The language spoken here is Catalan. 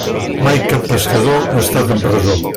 Mai cap pescador ha estat en presó.